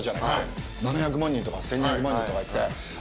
７００万人とか１，２００万人とかいって。